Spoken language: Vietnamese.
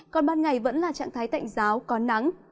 còn ban ngày vẫn là trạng thái tạnh giáo có nắng